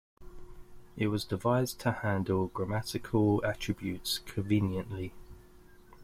It was devised to handle grammatical attributes conveniently.